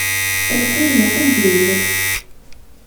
Lqil nqeyyel.